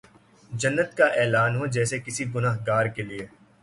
جنت کا اعلان ہو جیسے کسی گناہ گار کیلئے